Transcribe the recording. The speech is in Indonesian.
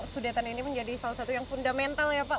sudetan ini menjadi salah satu yang fundamental ya pak